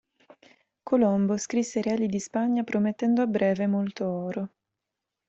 Colombo scrisse ai reali di Spagna promettendo a breve molto oro.